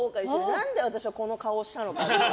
何で私はこの顔をしたのか。